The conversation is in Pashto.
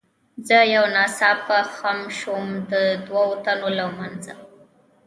زه یو ناڅاپه خم شوم، د دوو تنو له منځه.